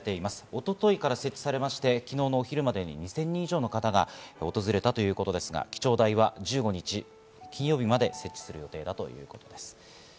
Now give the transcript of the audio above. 一昨日から設置されまして、昨日のお昼までに２０００人以上の方が訪れたということですが、記帳台は１５日金曜日まで設置する予定だということです。